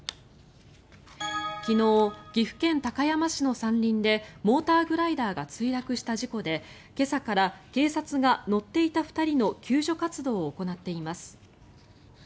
昨日、岐阜県高山市の山林でモーターグライダーが墜落した事故で今朝から警察が乗っていた２人の救助活動を行っています。